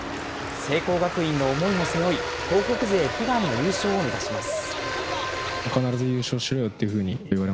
聖光学院の思いも背負い、東北勢悲願の優勝を目指します。